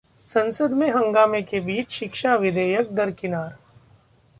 संसद में हंगामे के बीच शिक्षा विधेयक दरकिनार